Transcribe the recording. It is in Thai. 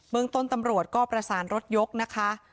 เมืองต้นตำรวจก็ประสานรถยกนะคะ